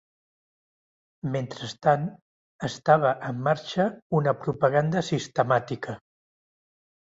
Mentrestant, estava en marxa una propaganda sistemàtica